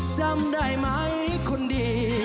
จำได้ไหมคนดี